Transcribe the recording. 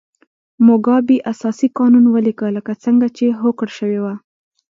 موګابي اساسي قانون ولیکه لکه څنګه چې هوکړه شوې وه.